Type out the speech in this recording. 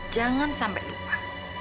jangan sampai lupa